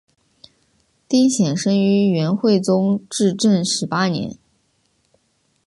丁显生于元惠宗至正十八年。